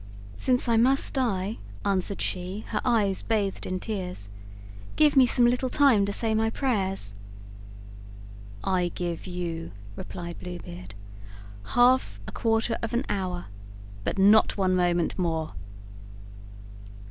"Since I must die," answered she, her eyes bathed in tears, "give me some little time to say my prayers." "I give you," replied Blue Beard, "half a quarter of an hour, but not one moment more."